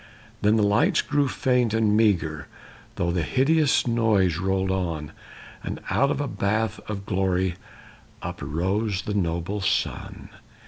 Then the lights grew faint and meagre, Though the hideous noise rolled on; And out of a bath of glory Uprose the noble sun.